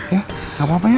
ya gapapa ya